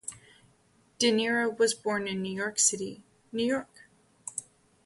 De Niro was born in New York City, New York.